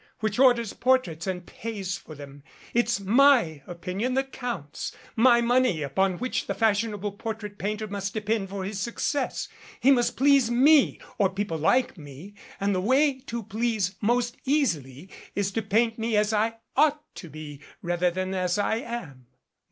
Which orders portraits and pays for them. It's 15 MADCAP my opinion that counts my money upon which the fash ionable portrait painter must depend for his success. He must please me or people like me and the way to please most easily is to paint me as I ought to be rather than as I am."